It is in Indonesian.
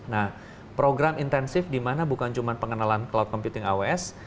nah program intensif di mana bukan cuma pengenalan cloud computing aws